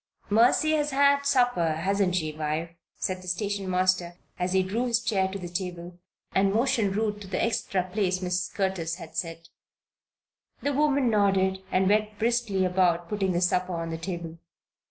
"Mercy has had her supper; hasn't she, wife?" said the station master as he drew his chair to the table and motioned Ruth to the extra place Mrs. Curtis had set. The woman nodded and went briskly about putting the supper on the table.